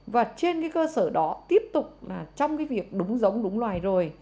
và trên cơ sở đó tiếp tục trong việc đúng giống đúng loài rồi